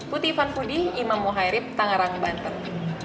puti van pudi imam muhairib tangerang banten